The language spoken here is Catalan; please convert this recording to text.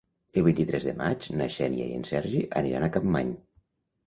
El vint-i-tres de maig na Xènia i en Sergi aniran a Capmany.